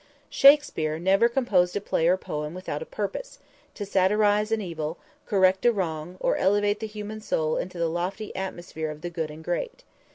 Shakspere never composed a play or poem without a purpose, to satirize an evil, correct a wrong or elevate the human soul into the lofty atmosphere of the good and great.